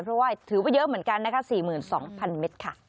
เพราะว่าถือว่าเยอะเหมือนกันนะคะ๔๒๐๐เมตรค่ะ